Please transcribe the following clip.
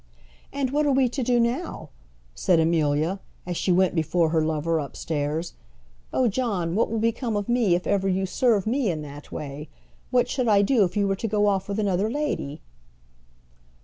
"And what are we to do now?" said Amelia, as she went before her lover upstairs. "Oh, John, what will become of me if ever you serve me in that way? What should I do if you were to go off with another lady?"